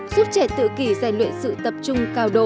giúp trẻ tự kỷ dành luyện sự tập trung cao độ